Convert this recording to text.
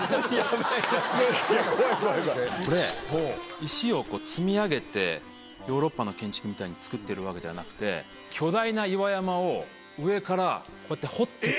これ石を積み上げてヨーロッパの建築みたいに造ってるわけではなくて巨大な岩山を上からこうやって彫っていく。